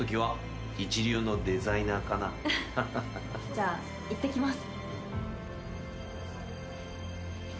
じゃあいってきます。